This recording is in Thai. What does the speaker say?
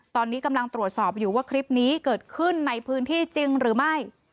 ตอนนี้กำลังตรวจสอบอยู่ว่าคลิปนี้เกิดขึ้นในพื้นที่จริงหรือไม่